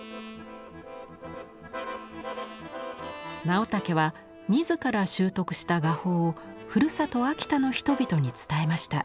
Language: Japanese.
直武は自ら習得した画法をふるさと秋田の人々に伝えました。